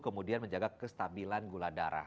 kemudian menjaga kestabilan gula darah